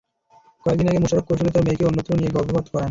কয়েক দিন আগে মোশারফ কৌশলে তাঁর মেয়েকে অন্যত্র নিয়ে গর্ভপাত করান।